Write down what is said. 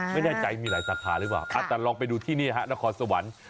ไม่แน่ใจมีหลายสาขาหรือเปล่าแต่ลองไปดูที่นี่ฮะนครสวรรค์